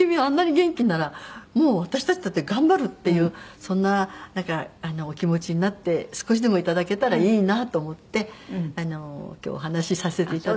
あんなに元気ならもう私たちだって頑張るっていうそんなお気持ちになって少しでも頂けたらいいなと思って今日お話しさせて。